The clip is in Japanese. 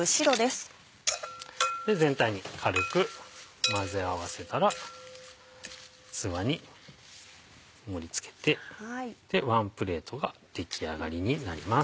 全体に軽く混ぜ合わせたら器に盛り付けてワンプレートが出来上がりになります。